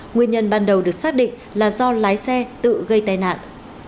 nguyên nhân ban đầu được xác định là do lái xe tự gây tai nạn